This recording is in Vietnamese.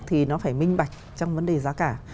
thì nó phải minh bạch trong vấn đề giá cả